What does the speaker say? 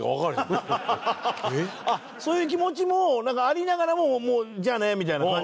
あっそういう気持ちもありながらも「じゃあね」みたいな感じ？